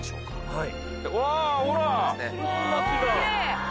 はい。